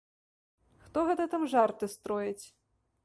Хто гэта там жарты строіць!